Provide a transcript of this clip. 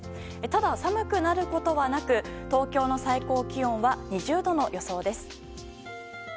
ただ、寒くなることはなく東京の最高気温は２０度の予想です。